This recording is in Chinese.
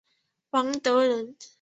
王德人。